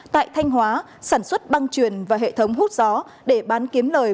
tại thanh hóa sản xuất băng truyền và hệ thống hút gió để bán kiếm lời